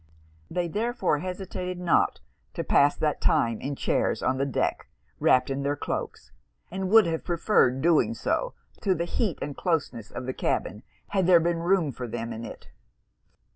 They therefore hesitated not to pass that time in chairs on the deck, wrapped in their cloaks; and would have preferred doing so, to the heat and closeness of the cabin, had there been room for them in it.